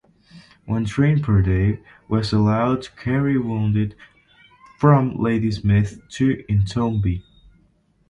One train per day was allowed to carry wounded from Ladysmith to Intombi.